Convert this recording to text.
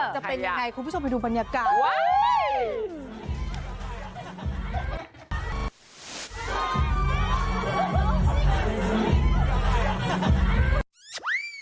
จะเป็นยังไงคุณผู้ชมไปดูบรรยากาศไว้